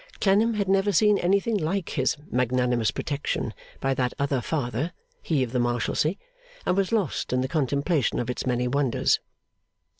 Clennam had never seen anything like his magnanimous protection by that other Father, he of the Marshalsea; and was lost in the contemplation of its many wonders.